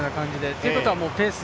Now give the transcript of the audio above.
ていうことはペース